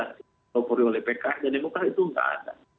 kepulauan oleh pkb dan demokrat itu enggak ada